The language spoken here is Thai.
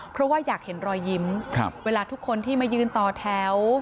เพราะว่าอยากเห็นรอยยิ้มเวลาทุกคนที่มายืนต่อแถว